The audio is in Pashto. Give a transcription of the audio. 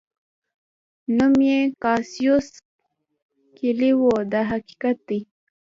نوم یې کاسیوس کلي و دا حقیقت دی.